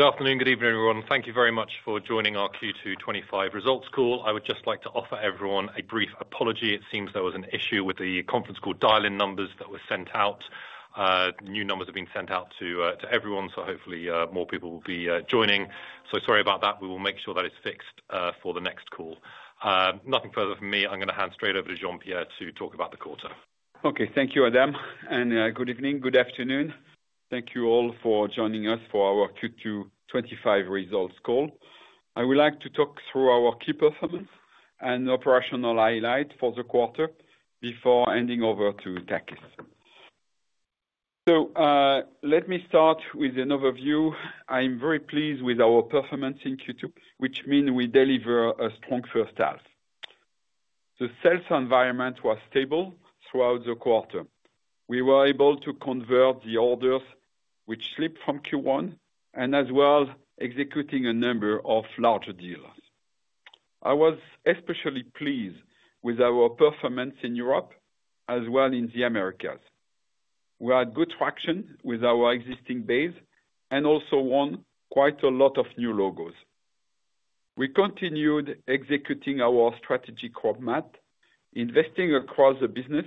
Afternoon. Good evening, everyone. Thank you very much for joining our Q2 twenty twenty five results call. I would just like to offer everyone a brief apology. It seems there was an issue with the conference call dial in numbers that were sent out. New numbers have been sent out to everyone. So hopefully more people will be joining. So sorry about that. We will make sure that it's fixed for the next call. Nothing further from me. I'm going to hand straight over to Jean Pierre to talk about the quarter. Okay. Thank you, Adam, and good evening, good afternoon. Thank you all for joining us for our Q2 twenty twenty five results call. I would like to talk through our key performance and operational highlights for the quarter before handing over to Takis. So let me start with an overview. I'm very pleased with our performance in Q2, which means we deliver a strong first half. The sales environment was stable throughout the quarter. We were able to convert the orders which slipped from Q1 and as well executing a number of larger deals. I was especially pleased with our performance in Europe as well in The Americas. We had good traction with our existing base and also won quite a lot of new logos. We continued executing our strategic roadmap, investing across the business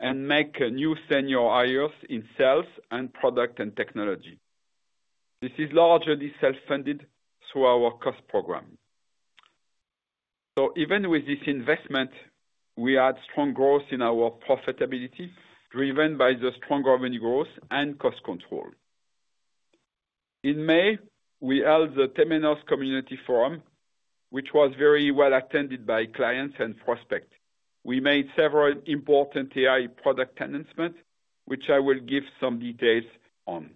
and make new senior hires in sales and product and technology. This is largely self funded through our cost program. So even with this investment, we had strong growth in our profitability, driven by the strong revenue growth and cost control. In May, we held the Temenos Community Forum, which was very well attended by clients and prospects. We made several important AI product enhancements, which I will give some details on.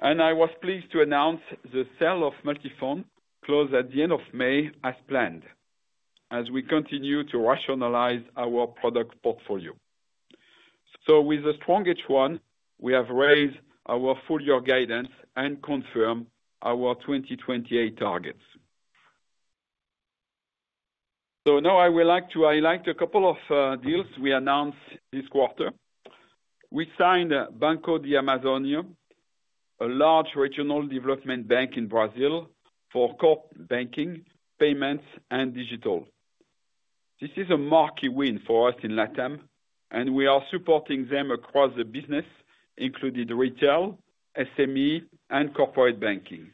And I was pleased to announce the sale of Multiphone closed at the May as planned, as we continue to rationalize our product portfolio. So with a strong H1, we have raised our full year guidance and confirm our 2028 targets. So now I would like to highlight a couple of deals we announced this quarter. We signed Banco de Amazonia, a large regional development bank in Brazil for core banking, payments and digital. This is a marquee win for us in LatAm and we are supporting them across the business, including retail, SME and corporate banking.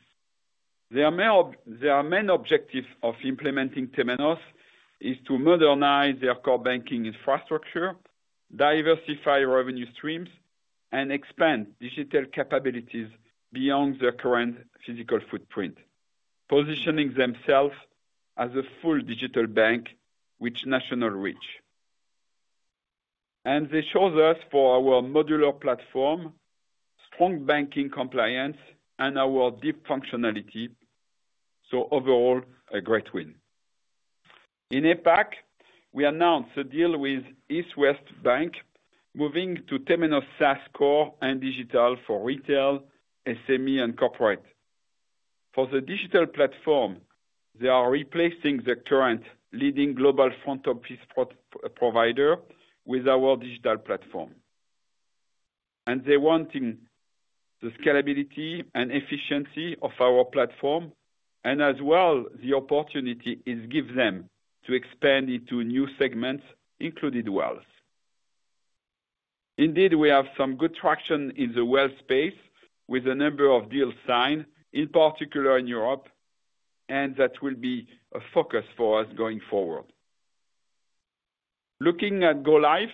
Their main objective of implementing Temenos is to modernize their core banking infrastructure, diversify revenue streams and expand digital capabilities beyond their current physical footprint, positioning themselves as a full digital bank with national reach. And this shows us for our modular platform, strong banking compliance and our deep functionality, so overall a great win. In APAC, we announced a deal with East West Bank moving to Temenos SaaS core and digital for retail, SME and corporate. For the digital platform, they are replacing the current leading global front office provider with our digital platform. And they're wanting the scalability and efficiency of our platform and as well the opportunity it gives them to expand into new segments included wealth. Indeed, have some good traction in the wealth space with a number of deals signed in particular in Europe and that will be a focus for us going forward. Looking at go live,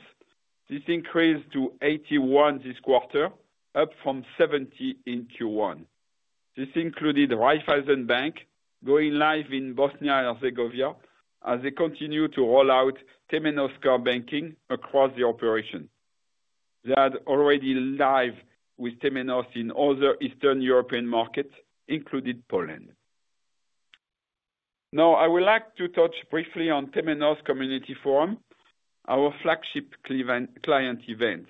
this increased to 81 this quarter, up from 70 in Q1. This included Raiffeisen Bank going live in Bosnia and Herzegovia as they continue to roll out Temenos card banking across the operation. They are already live with Temenos in other Eastern European markets, including Poland. Now I would like to touch briefly on Temenos Community Forum, our flagship client event.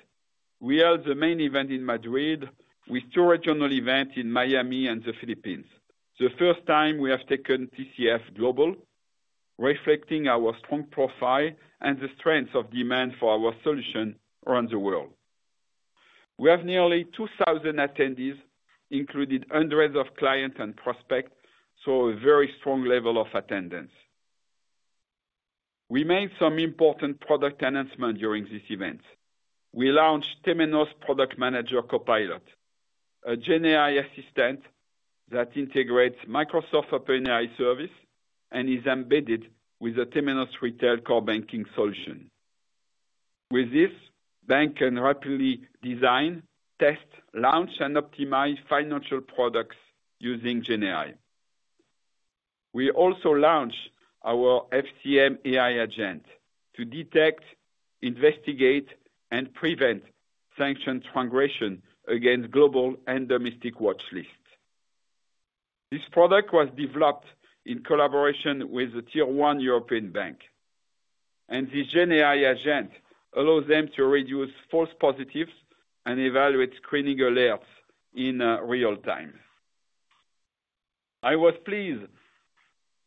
We held the main event in Madrid with two regional events in Miami and The Philippines. The first time we have taken TCF global, reflecting our strong profile and the strength of demand for our solution around the world. We have nearly 2,000 attendees, included hundreds of clients and prospects, so a very strong level of attendance. We made some important product enhancement during this event. We launched Temenos Product Manager Co Pilot, a generic assistant that integrates Microsoft OpenAI service and is embedded with the Temenos Retail core banking solution. With this, bank can rapidly design, test, launch and optimize financial products using Generi. We also launched our FCM AI agent to detect, investigate and prevent sanctions migration against global and domestic watch list. This product was developed in collaboration with the Tier one European bank. And this Gen AI agent allows them to reduce false positives and evaluate screening alerts in real time. I was pleased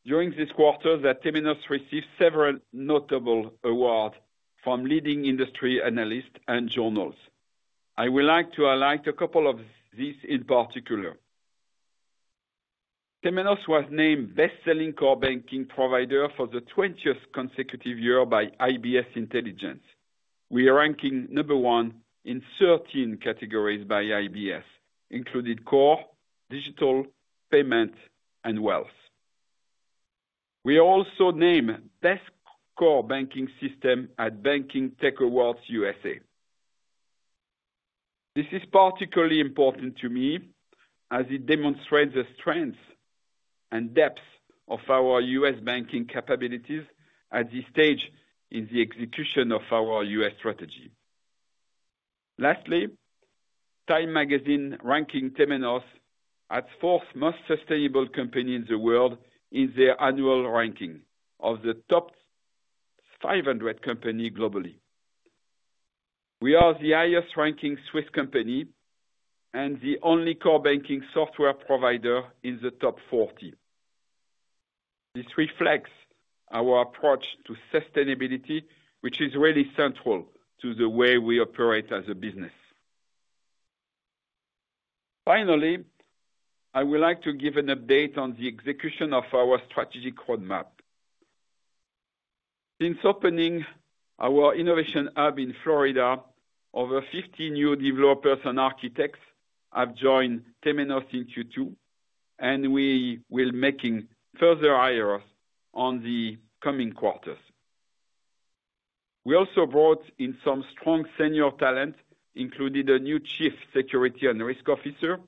during this quarter that Temenos received several notable awards from leading industry analysts and journals. I would like to highlight a couple of these in particular. Semenos was named best selling core banking provider for the twentieth consecutive year by IBS intelligence. We are ranking number one in 13 categories by IBS, including core, digital, payment and wealth. We also named best core banking system at Banking Tech Awards USA. This is particularly important to me as it demonstrates the strength and depth of our U. S. Banking capabilities at this stage in the execution of our U. S. Strategy. Lastly, Time Magazine ranking TheMenos as fourth most sustainable company in the world in their annual ranking of the top 500 companies globally. We are the highest ranking Swiss company and the only core banking software provider in the top 40. This reflects our approach to sustainability, which is really central to the way we operate as a business. Finally, I would like to give an update on the execution of our strategic roadmap. Since opening our innovation hub in Florida, over 50 new developers and architects have joined Temenos in Q2 and we will making further hires on the coming quarters. We also brought in some strong senior talent, including a new Chief Security and Risk Officer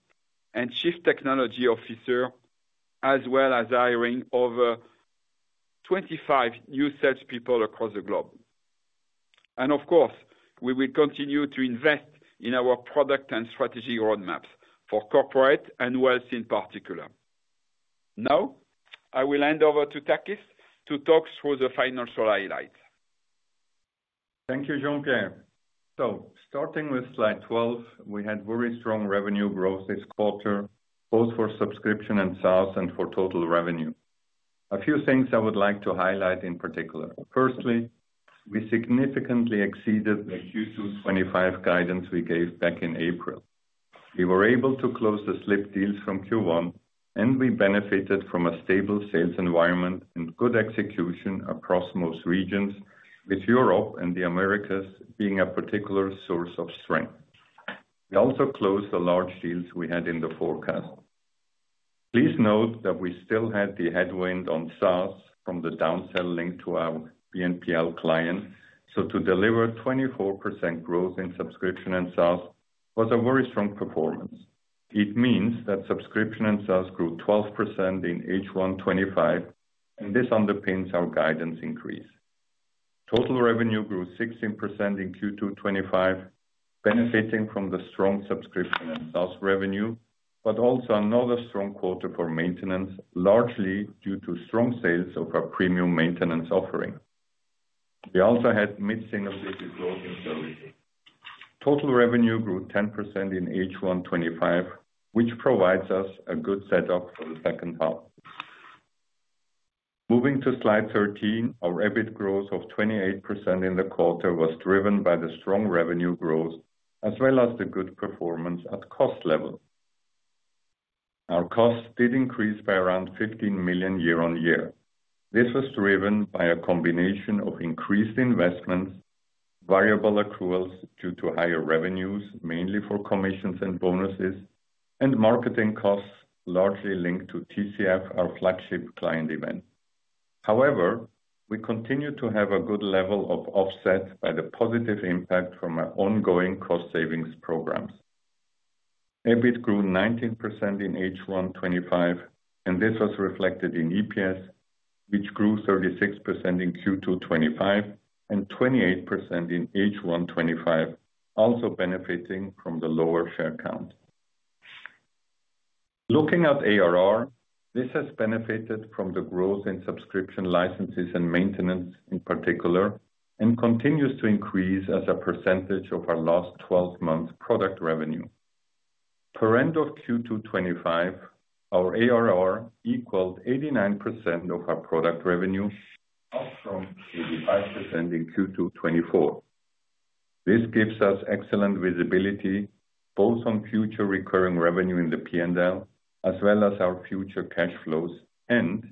and Chief Technology Officer, as well as hiring over 25 new salespeople across the globe. And of course, we will continue to invest in our product and strategy roadmaps for corporate and wealth in particular. Now, I will hand over to Takis to talk through the financial highlights. Thank you, Jean Pierre. So starting with slide 12, we had very strong revenue growth this quarter both for subscription and SaaS and for total revenue. A few things I would like to highlight in particular. Firstly, we significantly exceeded the Q2 twenty twenty five guidance we gave back in April. We were able to close the slip deals from Q1 and we benefited from a stable sales environment and good execution across most regions with Europe and The Americas being a particular source of strength. We also closed the large deals we had in the forecast. Please note that we still had the headwind on SaaS from the down sell linked to our BNPL clients. So to deliver 24% growth in subscription and SaaS was a very strong performance. It means that subscription and SaaS grew 12% in H1 twenty twenty five and this underpins our guidance increase. Total revenue grew 16% in Q2 twenty twenty five benefiting from the strong subscription and SaaS revenue, but also another strong quarter for maintenance largely due to strong sales of our premium maintenance offering. We also had mid single digit growth in servicing. Total revenue grew 10% in H1 twenty twenty five, which provides us a good setup for the second half. Moving to slide 13. Our EBIT growth of 28% in the quarter was driven by the strong revenue growth as well as the good performance at cost level. Our costs did increase by around 15,000,000 year on year. This was driven by a combination of increased investments, variable accruals due to higher revenues mainly for commissions and bonuses and marketing costs largely linked to TCF, our flagship client event. However, we continue to have a good level of offset by the positive impact from our ongoing cost savings programs. EBIT grew 19% in H1 twenty twenty five and this was reflected in EPS, which grew 36% in Q2 twenty twenty five and twenty eight percent in H1 twenty twenty five also benefiting from the lower share count. Looking at ARR, this has benefited from the growth in subscription licenses and maintenance in particular and continues to increase as a percentage of our last twelve months product revenue. Per end of Q2 twenty twenty five, our ARR equaled 89% of our product revenue, up from 85% in Q2 twenty twenty four. This gives us excellent visibility both on future recurring revenue in the P and L as well as our future cash flows and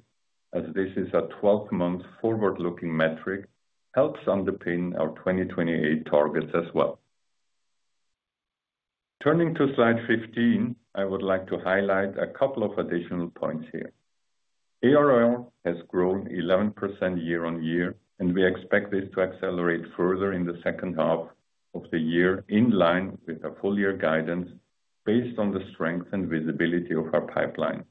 as this is a twelve month forward looking metric helps underpin our 2028 targets as well. Turning to slide 15, I would like to highlight a couple of additional points here. ARR has grown 11% year on year and we expect this to accelerate further in the second half of the year in line with the full year guidance based on the strength and visibility of our pipeline.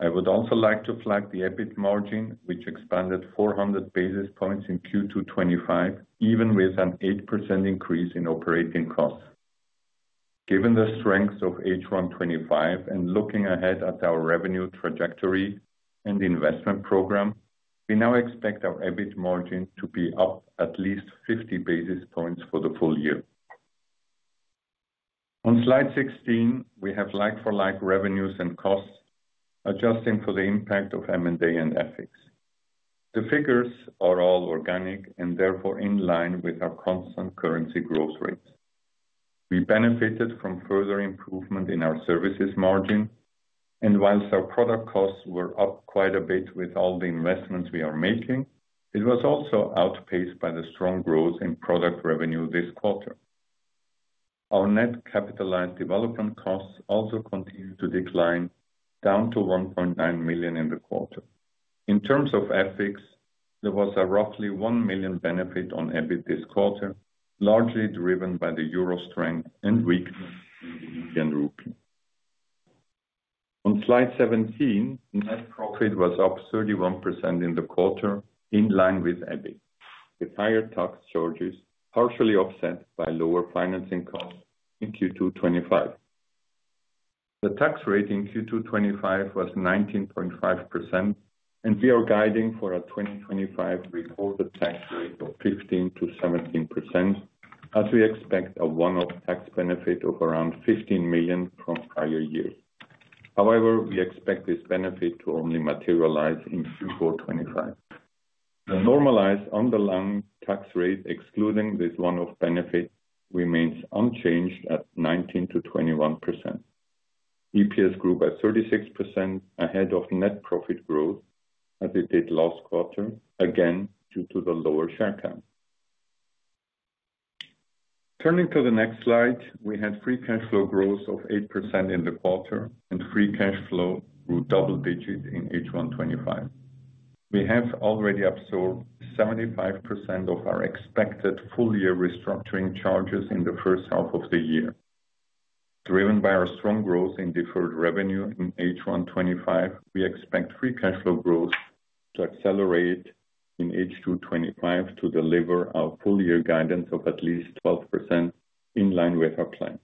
I would also like to flag the EBIT margin, which expanded 400 basis points in Q2 twenty twenty five even with an 8% increase in operating costs. Given the strength of H1 twenty twenty five and looking ahead at our revenue trajectory and investment program, we now expect our EBIT margin to be up at least 50 basis points for the full year. On slide 16, we have like for like revenues and costs adjusting for the impact of M and A and FX. The figures are all organic and therefore in line with our constant currency growth rates. We benefited from further improvement in our services margin. And whilst our product costs were up quite a bit with all the investments we are making, it was also outpaced by the strong growth in product revenue this quarter. Our net capitalized development costs also continued to decline down to 1,900,000 in the quarter. In terms of FX, there was a roughly €1,000,000 benefit on EBIT this quarter, largely driven by the euro strength and weakness in the European rupee. On slide 17, net profit was up 31% in the quarter in line with EBIT with higher tax charges partially offset by lower financing costs in Q2 twenty twenty five. The tax rate in Q2 twenty twenty five was 19.5% and we are guiding for a 2025 reported tax rate of 15 to 17% as we expect a one off tax benefit of around €15,000,000 from prior year. However, we expect this benefit to only materialize in Q4 twenty twenty five. The normalized underlying tax rate excluding this one off benefit remains unchanged at 19% to 21%. EPS grew by 36% ahead of net profit growth as it did last quarter, again due to the lower share count. Turning to the next slide. We had free cash flow growth of 8% in the quarter and free cash flow grew double digit in H1 twenty twenty five. We have already absorbed 75% of our expected full year restructuring charges in the first half of the year. Driven by our strong growth in deferred revenue in H1 twenty twenty five, we expect free cash flow growth to accelerate in H2 twenty twenty five to deliver our full year guidance of at least 12% in line with our plan.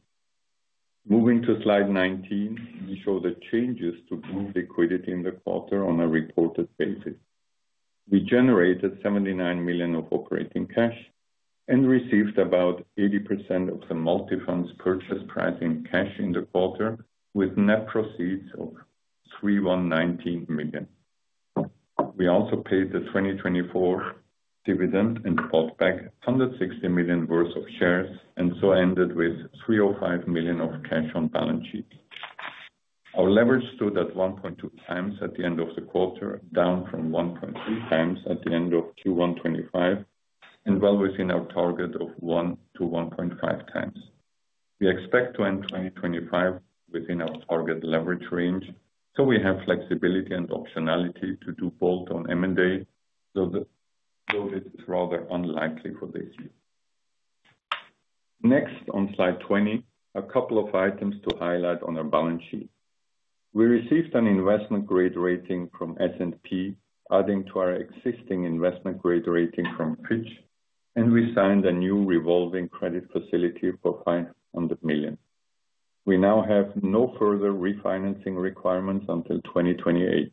Moving to Slide 19, we show the changes to group liquidity in the quarter on a reported basis. We generated 79 million of operating cash and received about 80% of the multi funds purchase price in cash in the quarter with net proceeds of 3.119 million. We also paid the 2024 dividend and bought back 160 million worth of shares and so ended with 305 million of cash on balance sheet. Our leverage stood at 1.2 times at the end of the quarter, down from 1.3 times at the end of Q1 twenty twenty five and well within our target of one to 1.5 times. We expect to end 2025 within our target leverage range, so we have flexibility and optionality to do bolt on M and A, so it is rather unlikely for this year. Next on Slide 20, a couple of items to highlight on our balance sheet. We received an investment grade rating from S and P adding to our existing investment grade rating from Fitch and we signed a new revolving credit facility for 500,000,000. We now have no further refinancing requirements until 2028.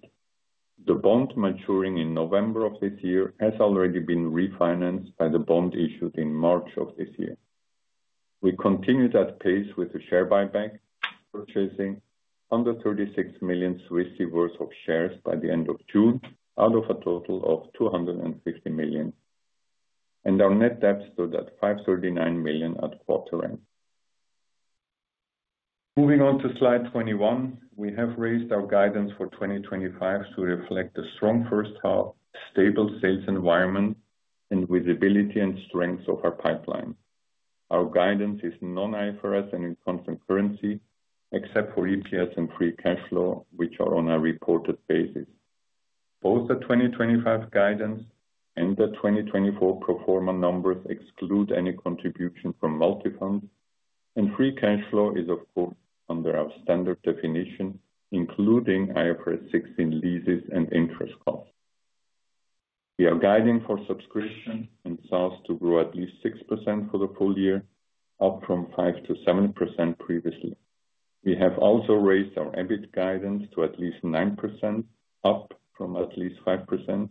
The bond maturing in November has already been refinanced by the bond issued in March. We continued at pace with the share buyback purchasing million of shares by the June out of a total of 250 million. And our net debt stood at 539 million at quarter end. Moving on to slide 21, we have raised our guidance for 2025 to reflect a strong first half, stable sales environment and visibility and strength of our pipeline. Our guidance is non IFRS and in constant currency except for EPS and free cash flow, which are on a reported basis. Both the 2025 guidance and the 2024 pro form a numbers exclude any contribution from multi funds and free cash flow is of course under our standard definition including IFRS 16 leases and interest costs. We are guiding for subscription and sales to grow at least 6% for the full year, up from 5% to 7% previously. We have also raised our EBIT guidance to at least 9%, up from at least 5%.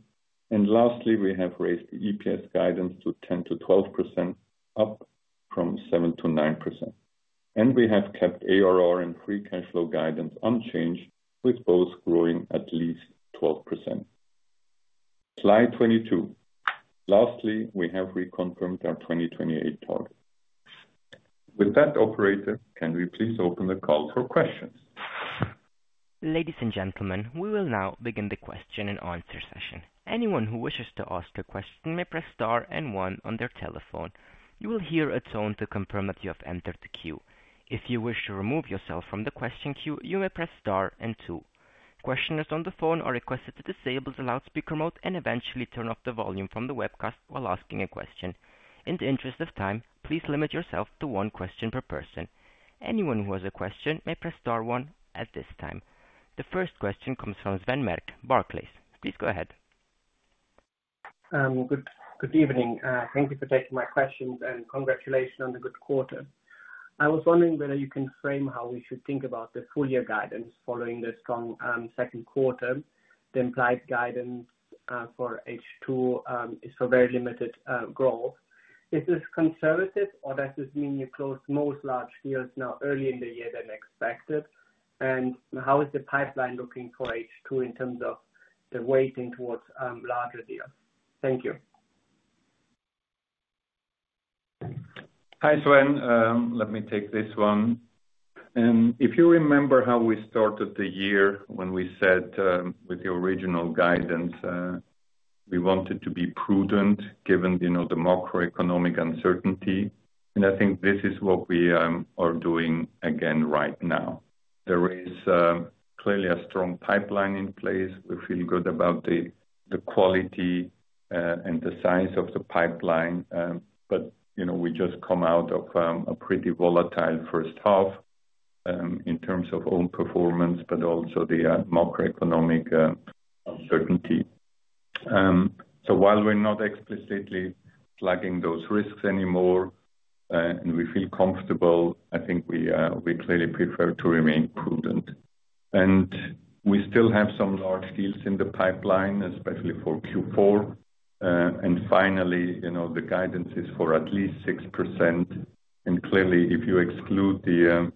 And lastly, we have raised the EPS guidance to 10% to 12%, up from 7% to 9%. And we have kept ARR and free cash flow guidance unchanged with both growing at least 12%. Slide 22. Lastly, we have reconfirmed our 2028 target. With that operator, can we please open the call for questions? You. The first question comes from Sven Merc, Barclays. Please go ahead. Good evening. Thank you for taking my questions and congratulations on the good quarter. I was wondering whether you can frame how we should think about the full year guidance following the strong second quarter. The implied guidance for H2 is for very limited growth. Is this conservative or does this mean you closed most large deals now early in the year than expected? And how is the pipeline looking for H2 in terms of the weighting towards larger deals? Thank you. Hi, Sven. Let me take this one. If you remember how we started the year when we said with the original guidance, we wanted to be prudent given the macroeconomic uncertainty. And I think this is what we are doing again right now. There is clearly a strong pipeline in place. We feel good about the quality and the size of the pipeline. But we just come out of a pretty volatile first half in terms of own performance, but also the macroeconomic uncertainty. So while we're not explicitly flagging those risks anymore and we feel comfortable, I think we clearly prefer to remain prudent. And we still have some large deals in the pipeline, especially for Q4. And finally, the guidance is for at least 6%. And clearly, you exclude the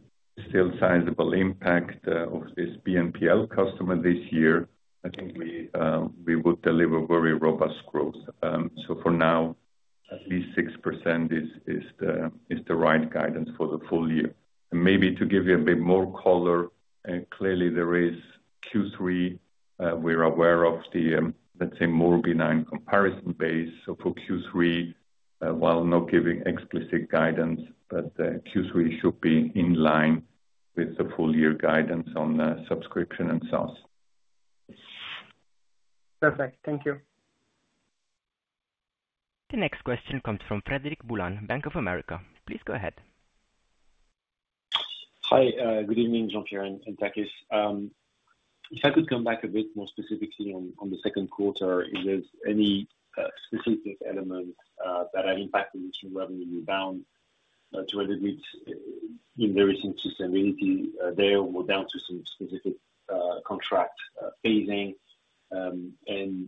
still sizable impact of this BNPL customer this year, I think we would deliver very robust growth. So for now at least 6% the right guidance for the full year. And maybe to give you a bit more color, clearly there is Q3 we're aware of the let's say more benign comparison base. So for Q3 while not giving explicit guidance, but Q3 should be in line with the full year guidance on subscription and SaaS. Perfect. Thank you. The next question comes from Frederic Boulan, Bank of America. Please go ahead. Hi, good evening, Jean Pierre and Takis. If I could come back a bit more specifically on the second quarter, is there any specific elements that are impacting revenue rebound to a little bit in the recent sustainability there or down to some specific contract phasing? And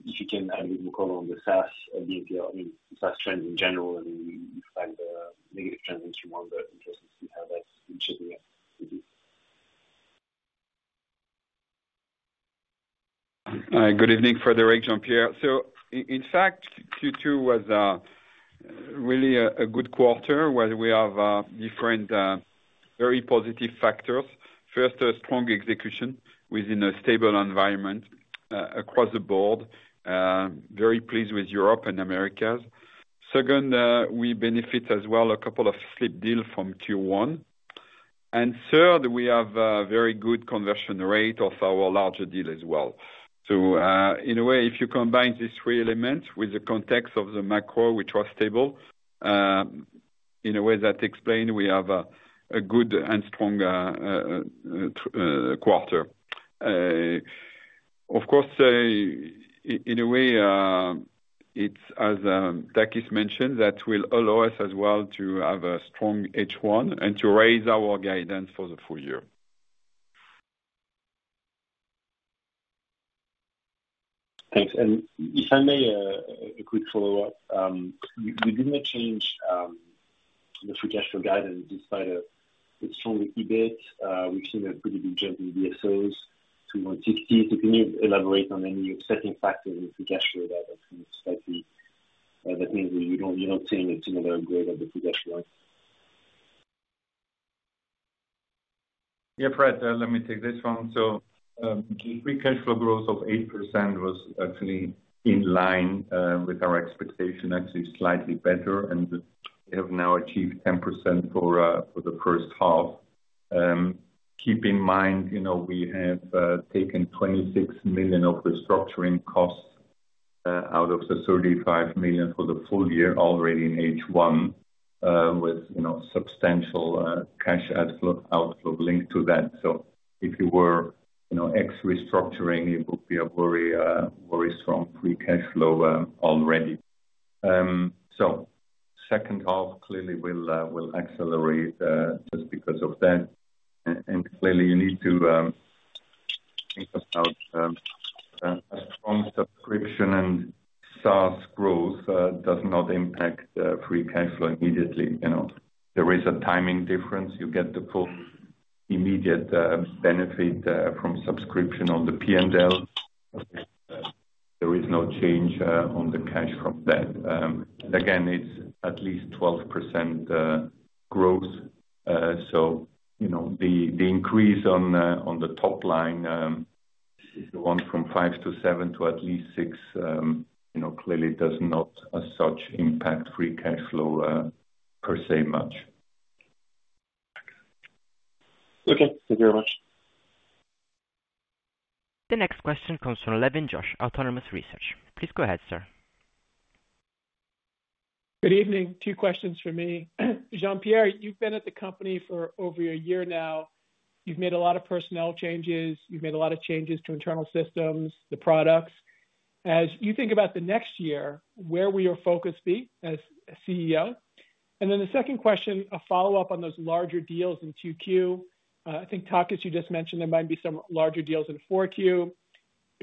if you can add any color on the SaaS, I mean, SaaS trends in general and the negative trends in some of the interest in how that should be achieved? Evening Frederic, Jean Pierre. So in fact, Q2 was really a good quarter where we have different very positive factors. First, a strong execution within a stable environment across the board, very pleased with Europe and Americas. Second, we benefit as well a couple of flip deals from Q1. And third, we have very good conversion rate of our larger deal as well. So in a way, if you combine these three elements with the context of the macro, which was stable, in a way that explained we have a good and strong quarter. Of course, in a way, it's as Takis mentioned that will allow us as well to have a strong H1 and to raise our guidance for the full year. Thanks. And if I may, a quick follow-up. You did not change the free cash flow guidance despite a strong EBIT. We've seen a pretty big jump in DSOs to 160. So can you elaborate on any offsetting factors in free cash flow that seems slightly that means that you don't see any similar grade of the free cash flow? Yeah, Fred. Let me take this one. So free cash flow growth of 8% was actually in line with our expectation actually slightly better and we have now achieved 10% for the first half. Keep in mind we have taken €26,000,000 of restructuring costs out of the €35,000,000 for the full year already in H1 with substantial cash outflow linked to that. So if you were ex restructuring, would be a very strong free cash flow already. So second half clearly will accelerate just because of that. And clearly you need to think about a strong subscription and SaaS growth does not impact free cash flow immediately. There is a timing difference. You get the full immediate benefit from subscription on the P and L. There is no change on the cash from that. Again, it's at least 12% growth. So the increase on the top line is the one from 5% to 7% to at least 6% clearly does not as such impact free cash flow per se much. Okay. Thank you very much. The next question comes from Levin Josh, Autonomous Research. Please go ahead sir. Good evening. Two questions for me. Jean Pierre, you've been at the company for over a year now. You've made a lot of personnel changes. You've made a lot of changes to internal systems, the products. As you think about the next year, where will your focus be as CEO? And then the second question, a follow-up on those larger deals in 2Q. I think, Takis, you just mentioned there might be some larger deals in 4Q.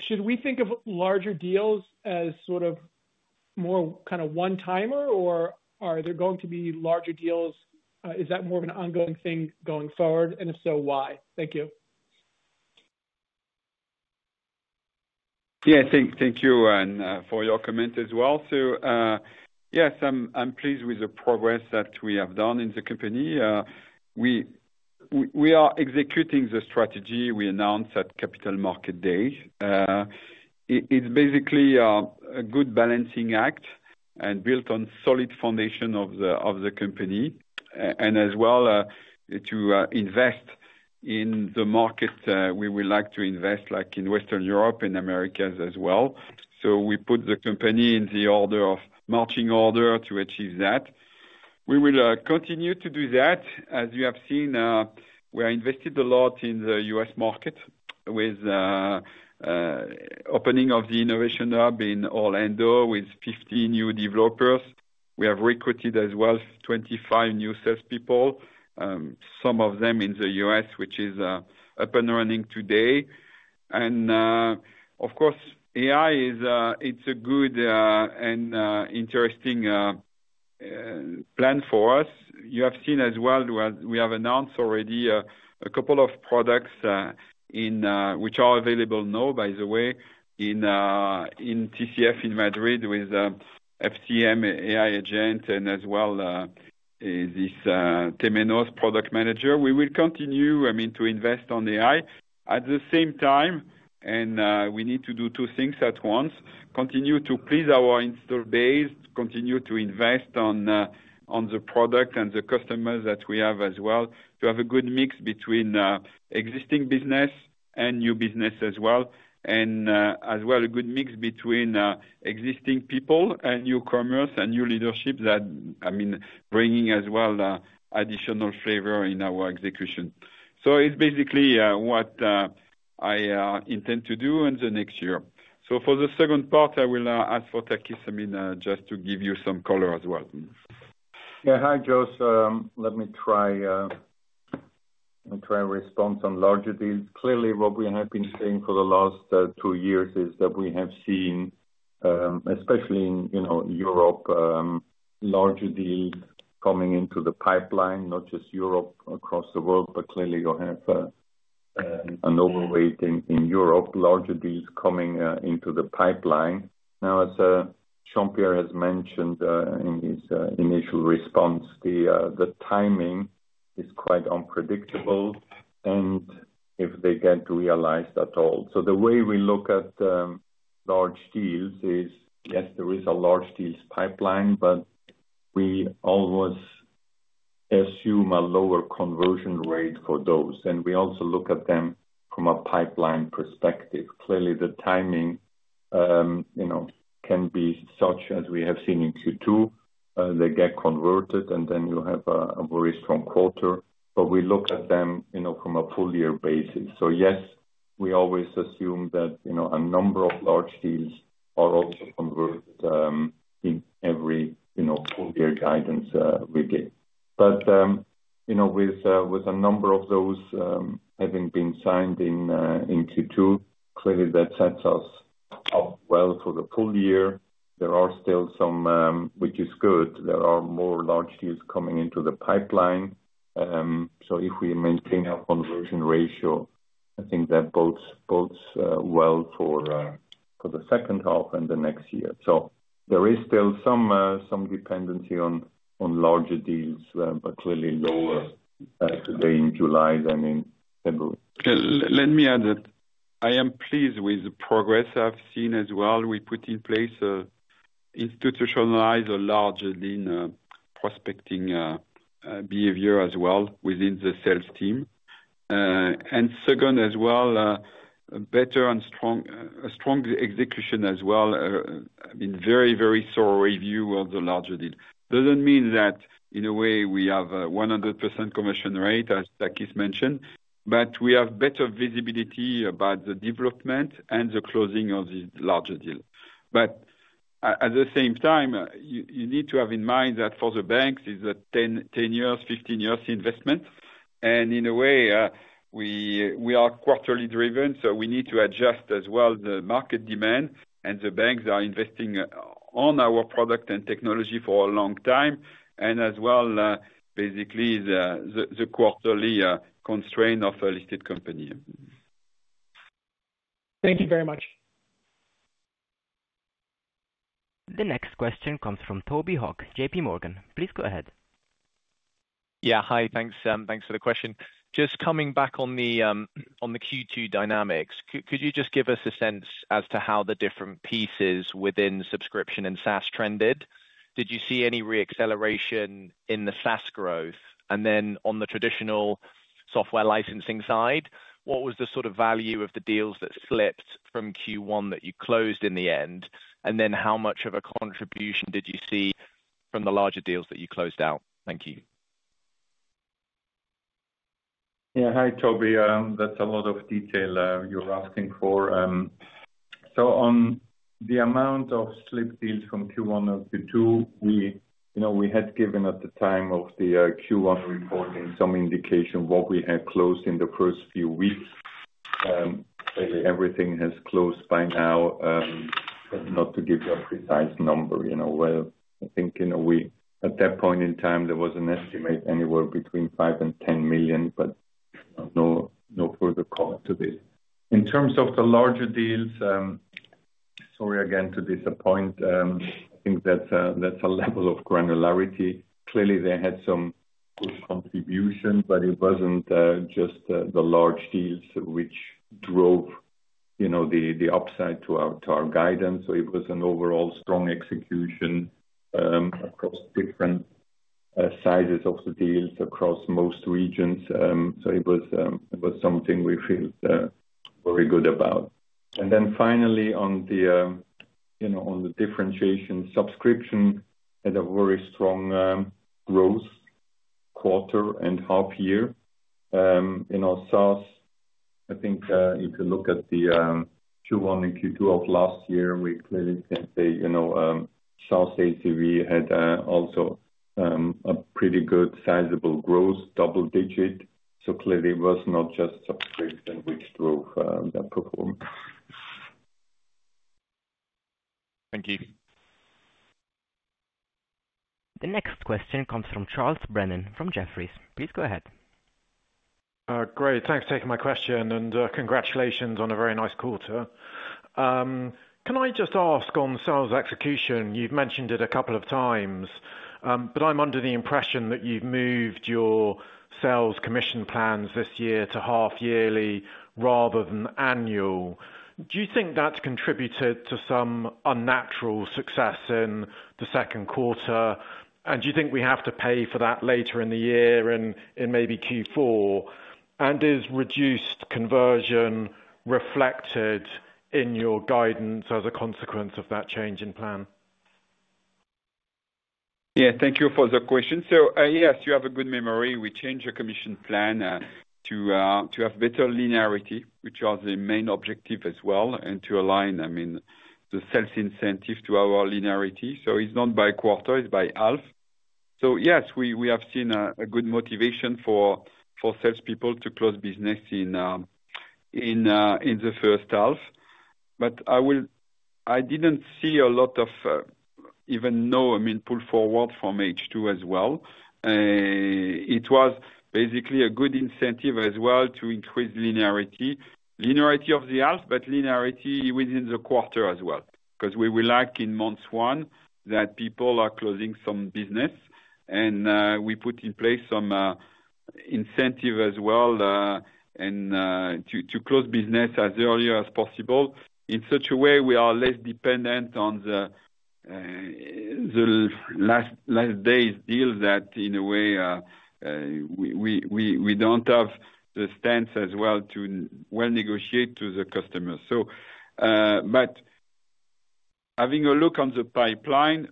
Should we think of larger deals as sort of more kind of one timer? Or are there going to be larger deals? Is that more of an ongoing thing going forward? And if so, why? Thank you. Yes. Thank you for your comment as well. So, I'm pleased with the progress that we have done in the company. We are executing the strategy we announced at Capital Market Day. It's basically a good balancing act and built on solid foundation of company and as well to invest in the market we would like to invest like in Western Europe and Americas as well. So we put the company in the order of marching order to achieve that. We will continue to do that. As you have seen, we are invested a lot in The U. S. Market with opening of the innovation hub in Orlando with 15 new developers. We have recruited as well 25 new salespeople, some of them in The U. S, which is up and running today. And of course AI is it's a good and interesting plan for us. You have seen as well, we have announced already a couple of products in which are available now by the way in TCF in Madrid with FCM AI agent and as well Temenos product manager. We will continue, I mean to invest on AI. At the same time, and we need to do two things at once, continue to please our installed base, continue to invest on the product and the customers that we have as well to have a good mix between existing business and new business as well. And as well a good mix between existing people and new commerce and new leadership that I mean bringing as well additional flavor in our execution. So it's basically what I intend to do in the next year. So for the second part, will ask for Takis, I mean just to give you some color as well. Yeah. Hi, Jose. Let me try and respond some larger deals. Clearly, what we have been saying for the last two years is that we have seen especially in Europe larger deals coming into the pipeline not just Europe across the world, but clearly you have an overweight in Europe larger deals coming into the pipeline. Now as Jean Pierre has mentioned in his initial response the timing is quite unpredictable and if they get realized at all. So the way we look at large deals is yes there is a large deals pipeline, but we always assume a lower conversion rate for those. And we also look at them from a pipeline perspective. Clearly, the timing can be such as we have seen in Q2. They get converted and then you have a very strong quarter. But we look at them from a full year basis. So yes, we always assume that a number of large deals are also converted in every full year guidance we gave. But with a number of those having been signed in Q2 clearly that sets us up well for the full year. There are still some which is good. There are more large deals coming into the pipeline. So if we maintain our conversion ratio, I think that well for the second half and the next year. So there is still some dependency on larger deals, but clearly lower today in July than in February. Let me add that I am pleased with the progress I've seen as well. We put in place institutionalized a large lean prospecting behavior as well within the sales team. And second as well better and strong execution as well, I mean very, very thorough review of the larger deal. Doesn't mean that in a way we have 100% commission rate as Takis mentioned, But we have better visibility about the development and the closing of the larger deal. But at the same time, you need to have in mind that for the banks is a ten years, fifteen years investment. And in a way, we are quarterly driven. So we need to adjust as well the market demand and the banks are investing on our product and technology for a long time and as well basically the quarterly constraint of a listed company. Thank you very much. Next question comes from Tobey Hock, JPMorgan. Please go ahead. Yes. Hi. Thanks for the question. Just coming back on the Q2 dynamics, could you just give us a sense as to how the different pieces within subscription and SaaS trended? Did you see any reacceleration in the SaaS growth? And then on the traditional software licensing side, what was the sort of value of the deals that slipped from Q1 that you closed in the end? And then how much of a contribution did you see from the larger deals that you closed out? Thank you. Yeah. Hi, Toby. That's a lot of detail you're asking for. So on the amount of slip deals from Q1 and Q2, we had given at the time of the Q1 reporting some indication what we had closed in the first few weeks. Clearly, everything has closed by now. Not to give you a precise number. Well, I think we at that point in time there was an estimate anywhere between 5,000,000 and €10,000,000 but no further comment to this. In terms of the larger deals, sorry again to disappoint. I think that's a level of granularity. Clearly, had some good contribution, but it wasn't just the large deals which drove the upside to guidance. So it was an overall strong execution across different sizes of the deals across most regions. So it was something we feel very good about. And then finally on the differentiation subscription had a very strong growth quarter and half year. Our SaaS, I think if you look at the Q1 and Q2 of last year, we clearly can say SaaS ACV had also a pretty good sizable growth double digit. So clearly it was not just subscription which drove that performance. Thank you. The next question comes from Charles Brennan from Jefferies. Please go ahead. Great. Thanks for taking my question and congratulations on a very nice quarter. Can I just ask on sales execution? You've mentioned it a couple of times, but I'm under the impression that you've moved your sales commission plans this year to half yearly rather than annual. Do you think that's contributed to some unnatural success in the second quarter? And do you think we have to pay for that later in the year and maybe Q4? And is reduced conversion reflected in your guidance as a consequence of that change in plan? Yes. Thank you for the question. So yes, you have a good memory. We changed the commission plan to have better linearity, which are the main objective as well and to align, I mean, the sales incentive to our linearity. So it's not by quarter, it's by half. So yes, we have seen a good motivation for salespeople to close business in the first half. But I will I didn't see a lot of even no, I mean, pull forward from H2 as well. It was basically a good incentive as well to increase linearity, linearity of the half, but linearity within the quarter as well, because we were like in month one that people are closing some business and we put in place some incentive as well and to close business as early as possible. In such a way, we are less dependent on the last days deal that in a way we don't have the stance as well to well negotiate to the customers. So but having a look on the pipeline,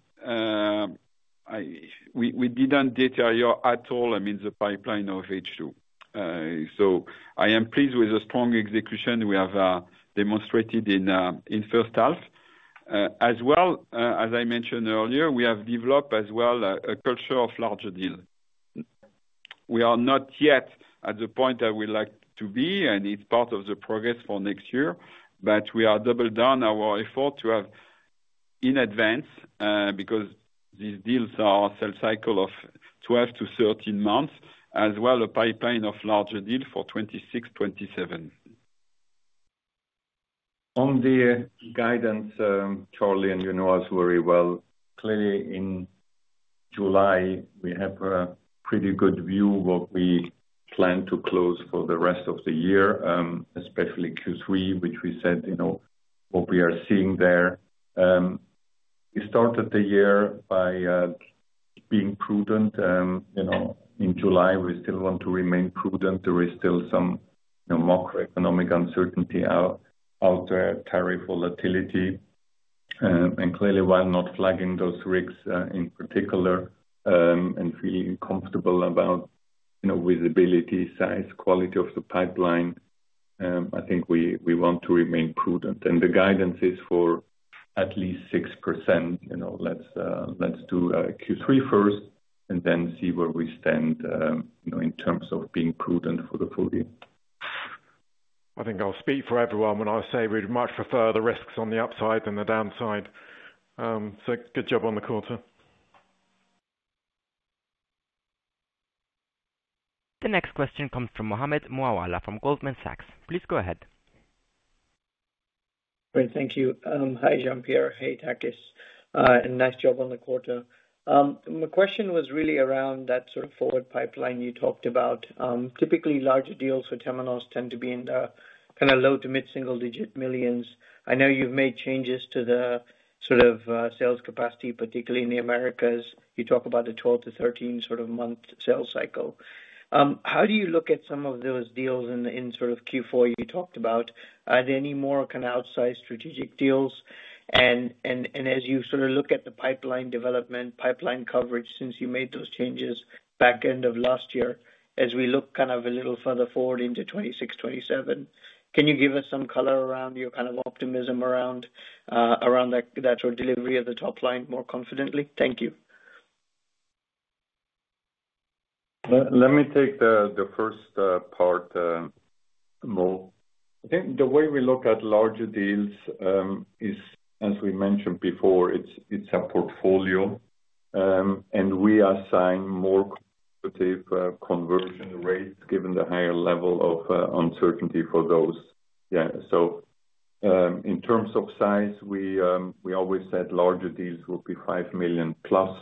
we didn't detail at all, I mean, the pipeline of H2. So I am pleased with the strong execution we have demonstrated in first half. As well as I mentioned earlier, we have developed as well a culture of larger deal. We are not yet at the point that we'd like to be and it's part of the progress for next year. But we are double down our effort to have in advance because these deals are sales cycle of twelve to thirteen months as well a pipeline of larger deal for twenty twenty six, twenty seven. On the guidance Charlie and you know us very well, clearly in July we have a pretty good view of what we plan to close for the rest of the year, especially Q3 which we said what we are seeing there. We started the year by being prudent. In July we still want to remain prudent. There is still some macroeconomic uncertainty out there, tariff volatility. And clearly while not flagging those rigs in particular and feeling comfortable about visibility, size, quality of the pipeline, I think we want to remain prudent. And the guidance is for at least 6%. Let's do Q3 first and then see where we stand in terms of being prudent for the full year. I think I'll speak for everyone when I say we'd much prefer the risks on the upside than the downside. So good job on the quarter. The next question comes from Mohammed Moawala from Goldman Sachs. Please go ahead. Great. Thank you. Hi, Jean Pierre. Hey, Takis. Nice job on the quarter. My question was really around that sort of forward pipeline you talked about. Typically larger deals for terminals tend to be in the kind of low to mid single digit millions. I know you've made changes to the sort of sales capacity, particularly in The Americas. You talk about the twelve to thirteen sort of month sales cycle. How do you look at some of those deals in sort of Q4 you talked about? Are there any more kind of outsized strategic deals? And as you sort of look at the pipeline development, pipeline coverage since you made those changes back end of last year, as we look kind of a little further forward into 2026, '27, can you give us some color around your kind of optimism around that sort of delivery at the top line more confidently? Thank you. Let me take the first part Mo. I think the way we look at larger deals is as we mentioned before, it's a portfolio and we are seeing more competitive conversion rates given the higher level of uncertainty for those. Yes. So in terms of size, we always said larger deals will be €5,000,000 plus.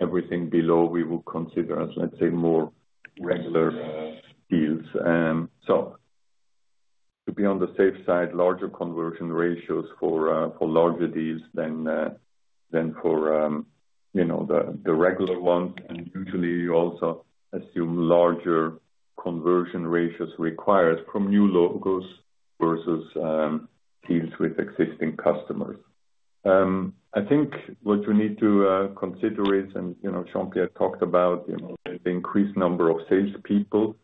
Everything below we will consider as let's say more regular deals. So be on the safe side larger conversion ratios for larger deals than for the regular ones. And usually you also assume larger conversion ratios required from new logos versus deals with existing customers. I think what you need to consider is and Jean Pierre talked about the increased number of salespeople.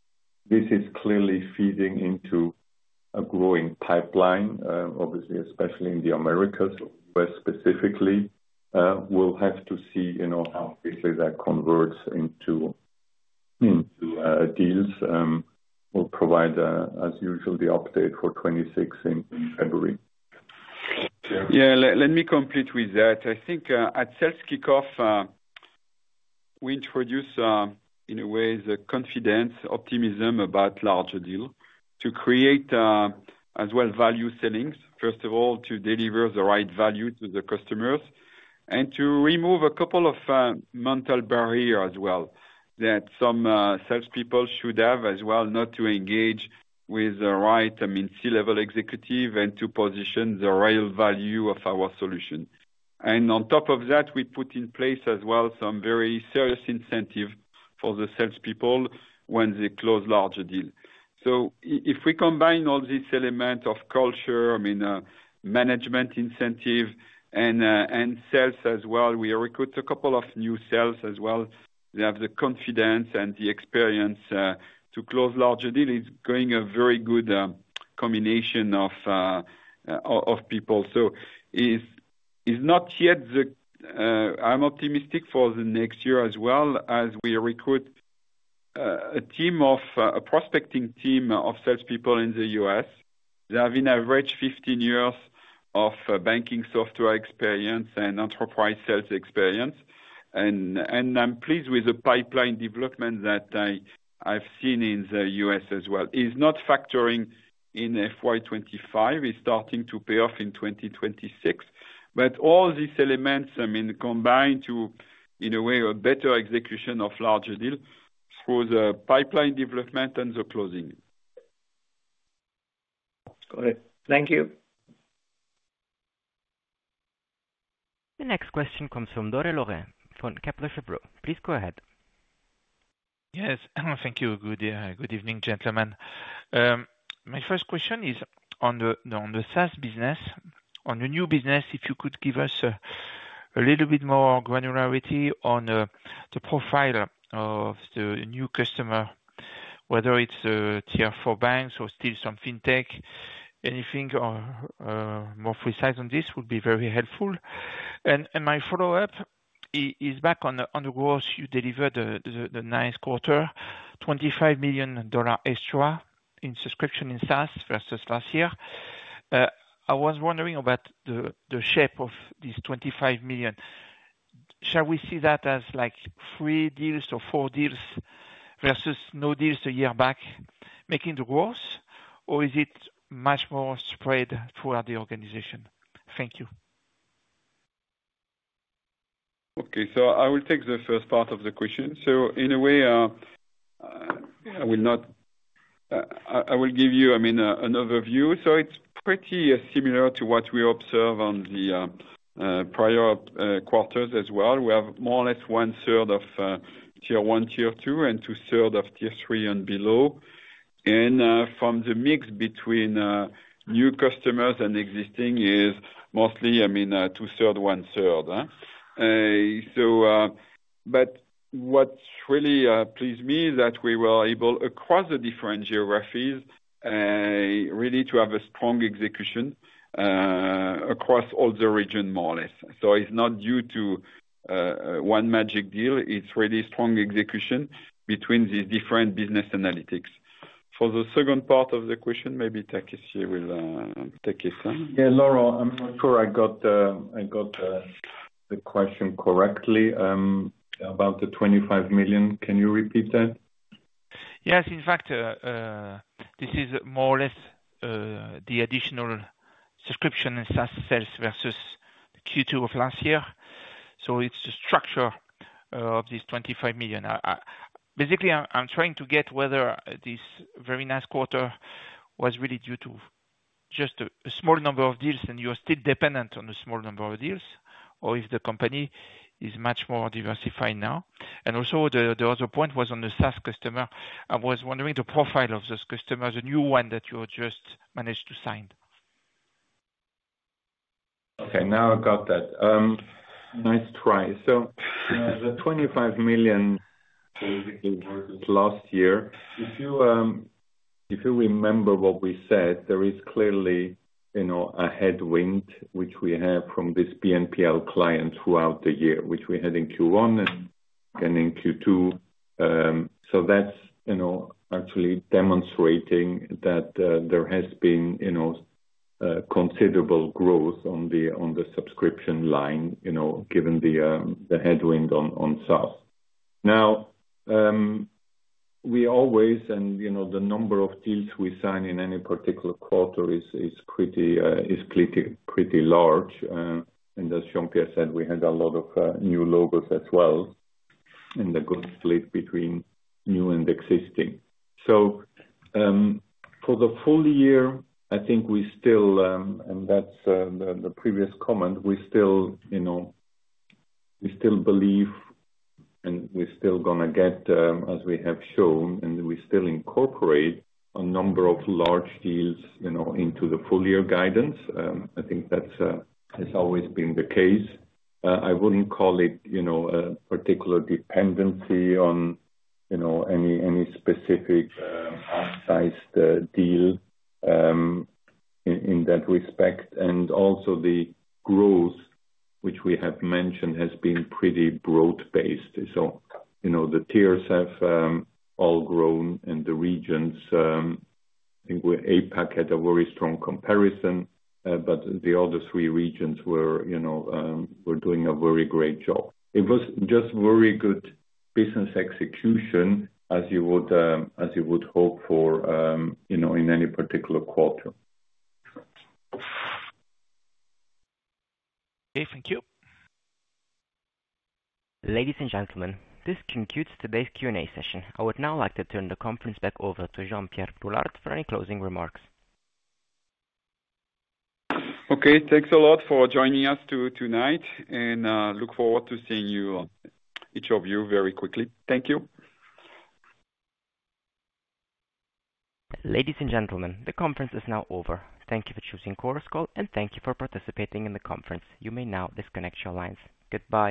This is clearly feeding into a growing pipeline, obviously, especially in The Americas, U. Specifically. We'll have to see how quickly that converts into deals. We'll provide as usual the update for 2016 in February. Yes. Let me complete with that. I think at sales kickoff, we introduced in a way the confidence optimism about larger deal to create as well value settings, first of all, to deliver the right value to the customers and to remove a couple of mental barrier as well that some salespeople should have as well not to engage with the right, I mean, C level executive and to position the real value of our solution. And on top of that, we put in place as well some very serious incentive for the salespeople when they close larger deal. So if we combine all these elements of culture, I mean management incentive and sales as well, we recruit a couple of new sales as well. They have the confidence and the experience to close larger deal. It's going a very good combination of people. So it's not yet I'm optimistic for the next year as well as we recruit a team of a prospecting team of salespeople in The U. S. They have in average fifteen years of banking software experience and enterprise sales experience. And I'm pleased with the pipeline development that I've seen in The U. S. As well. It's not factoring in FY 2025. It's starting to pay off in 2026. But all these elements, I mean, combined to in a way a better execution of larger deal for the pipeline development and the closing. Got it. Thank you. The next question comes from Dore Lohren from Kepler Cheuvreux. Please go ahead. Yes. Thank you. Good evening, gentlemen. My first question is on the SaaS business. On the new business, if you could give us a little bit more granularity on the profile of the new customer, whether it's Tier four banks or still some fintech, anything more precise on this would be very helpful. And my follow-up is back on the gross you delivered the nice quarter, 25,000,000 extra in subscription in SaaS versus last year. I was wondering about the shape of this 25,000,000 Shall we see that as like three deals or four deals versus no deals a year back making the growth? Or is it much more spread throughout the organization? Thank you. Okay. So I will take the first part of the question. So in a way, I will not I will give you, I mean, an overview. So it's pretty similar to what we observed on the prior quarters as well. We have more or less one third of Tier one, Tier two and two third of Tier three and below. And from the mix between new customers and existing is mostly I mean two third, one third. So but what really pleased me that we were able across the different geographies really to have a strong execution across all the region more or less. So it's not due to one magic deal, it's really strong execution between the different business analytics. For the second part of the question, maybe Takis will take it. Yes. Laurent, I'm sure I got the question correctly about the €25,000,000 Can you repeat that? Yes. In fact, this is more or less the additional subscription and SaaS sales versus Q2 of last year. So it's the structure of this €25,000,000 Basically, I'm trying to get whether this very nice quarter was really due to just a small number of deals and you're still dependent on the small number of deals or if the company is much more diversified now? And also the other point was on the SaaS customer. I was wondering the profile of this customer, the new one that you just managed to sign. Okay. Now I've got that. Nice try. So the €25,000,000 last year, If you remember what we said, there is clearly a headwind which we have from this P and P client throughout the year, which we had in Q1 and in Q2. So that's actually demonstrating that there has been considerable growth on the subscription line given the headwind on SaaS. Now, always and the number of deals we sign in any particular quarter is pretty large. And as Jean Pierre said, we had a lot of new logos as well in the good split between new and existing. So for the full year, I think we still and that's the previous comment, we still believe and we're still going to get as we have shown and we still incorporate a number of large deals into the full year guidance. I think that's always been the case. I wouldn't call it a particular dependency on any specific upsized deal in that respect. And also the growth which we have mentioned has been pretty broad based. So the tiers have all grown and the regions APAC had a very strong comparison, but the other three regions were doing a very great job. It was just very good business execution as you would hope for in any particular quarter. Thank you. Ladies and gentlemen, this concludes today's Q and A session. I would now like to turn the conference back over to Jean Pierre Poulart for any closing remarks. Okay. Thanks a lot for joining us tonight and look forward to seeing you each of you very quickly. Thank you. Ladies and gentlemen, the conference is now over. Thank you for Chorus Call, and thank you for participating in the conference. You may now disconnect your lines. Goodbye.